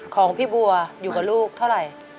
ของพี่บัวอยู่กับลูกเท่าไหร่